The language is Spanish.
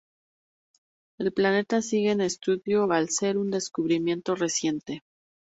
El planeta sigue en estudio al ser un descubrimiento reciente.